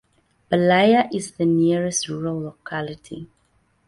Belaya is the nearest rural locality.